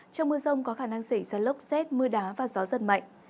trong mưa rông có khả năng xảy ra lốc xét mưa đá và gió giật mạnh